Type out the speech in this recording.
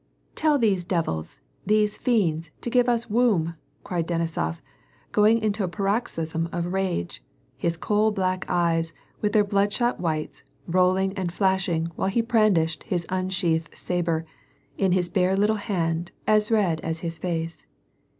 "Tell these devils, these fiends, to give us woom," cried Denisof, going into a paroxysm of rage, his coal black eyes, with their bloodshot whites, rolling and flashing while he bran dished his unsheathed sabre, in his bare little hand, as 1*6x1 as his face.